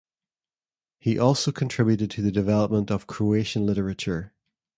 He also contributed to the development of Croatian literature.